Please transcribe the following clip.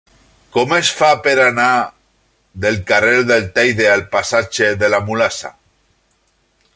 Com es fa per anar del carrer del Teide al passatge de la Mulassa?